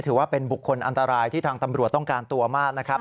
ถือว่าเป็นบุคคลอันตรายที่ทางตำรวจต้องการตัวมากนะครับ